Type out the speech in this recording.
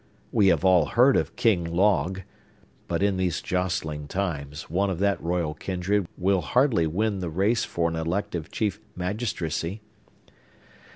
We have all heard of King Log; but, in these jostling times, one of that royal kindred will hardly win the race for an elective chief magistracy.